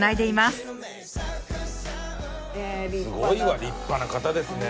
すごいわ立派な方ですね。